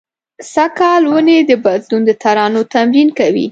سږ کال ونې د بدلون د ترانو تمرین کوي